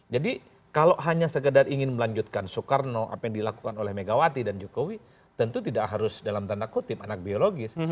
jadi kalau hanya sekedar ingin melanjutkan soekarno apa yang dilakukan oleh megawati dan jokowi tentu tidak harus dalam tanda kutip anak biologis